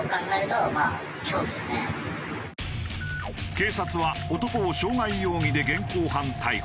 警察は男を傷害容疑で現行犯逮捕。